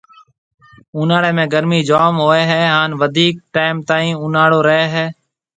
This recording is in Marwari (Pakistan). اُوناݪيَ ۾ گرمِي جام ھوئيَ ھيََََ ھان وڌيڪ ٽيم تائين اوناݪو رَي ھيََََ